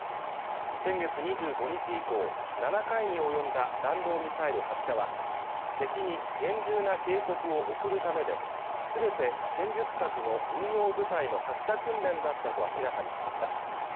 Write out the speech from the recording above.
先月２５日以降７回に及んだ弾道ミサイル発射は敵に厳重な警告を送るためで全て戦術核の運用部隊の発射訓練だったと明らかにしました